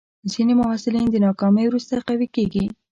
ځینې محصلین د ناکامۍ وروسته قوي کېږي.